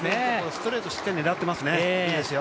ストレート、しっかり狙っていますね、いいですよ。